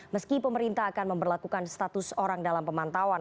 meski pemerintah akan memperlakukan status orang dalam pemantauan